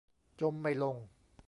จมไม่ลง